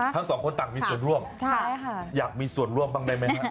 ทั้งสองคนต่างมีส่วนร่วมอยากมีส่วนร่วมบ้างได้ไหมครับ